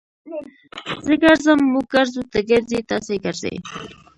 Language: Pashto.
زه ګرځم. موږ ګرځو. تۀ ګرځې. تاسي ګرځئ.